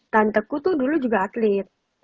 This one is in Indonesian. tante ku tuh dulu juga atlet